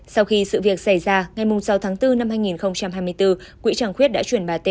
sau khi sự việc xảy ra ngày sáu tháng bốn năm hai nghìn hai mươi bốn quỹ tràng khuyết đã chuyển bà t